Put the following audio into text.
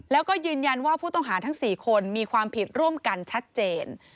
แล้วก็ยืนยันว่าผู้ต้องหาทั้ง๔คนมีความผิดร่วมกันชัดเจน